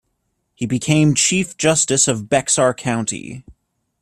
He became Chief Justice of Bexar County.